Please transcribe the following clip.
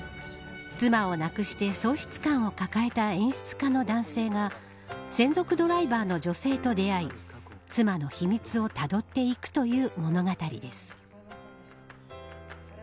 妻を亡くして喪失感を抱えた演出家の男性が専属ドライバーの女性と出会い妻の秘密をたどっていくという物語です。